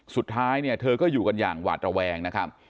สุดท้ายเนี่ยเธอก็อยู่กันอย่างหวาดระแวงนะครับ